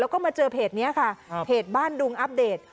แล้วก็มาเจอเพจนี้ค่ะเพจบ้านดุงอัปเดต